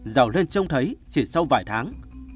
giàu lên trông thấy chỉ sau vài tháng